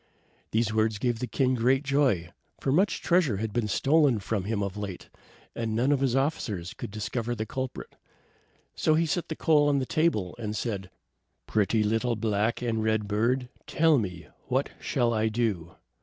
These words gave the king great joy, for much treasure had been stolen from him of late, and none of his officers could discover the culprit. So he set the coal on the table, and said: "Pretty little black and red bird, tell me, what shall I do?"